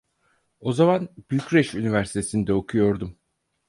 O zaman Bükreş Üniversitesinde okuyordum.